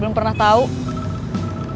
belum pernah kenal sama yang nama poni